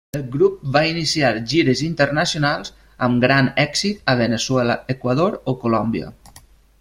El grup va iniciar gires internacionals, amb gran èxit a Veneçuela, Equador o Colòmbia.